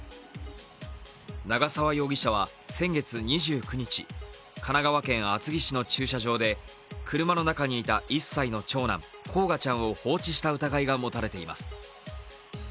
長沢容疑者は先月２９日、神奈川県厚木市の駐車場で車の中にいた１歳の長男・煌翔ちゃんを放置した疑いが持たれています。